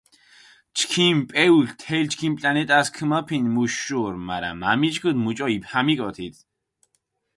ჩქიმ პეულქ თელ ჩქიმ პლანეტას ქომოფინჷ მუშ შური, მარა მა მიჩქუდჷ მუჭო იბჰამიკო თით.